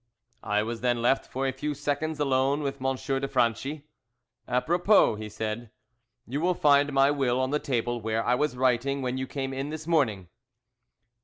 I was then left for a few seconds alone with M. de Franchi. "Apropos," he said, "you will find my will on the table where I was writing when you came in this morning."